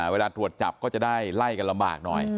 เวลาตรวจจับก็จะได้ไล่กันลำบากหน่อย